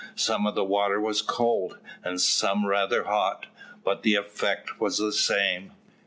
Some of the water was cold, and some was rather hot, but the effect was the same.